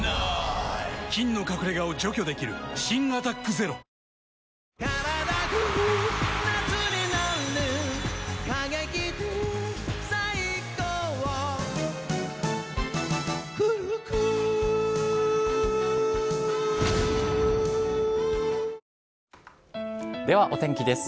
菌の隠れ家を除去できる新「アタックＺＥＲＯ」ではお天気です。